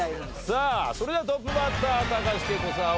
さあそれではトップバッター高橋惠子さん